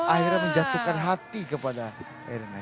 akhirnya menjatuhkan hati kepada erina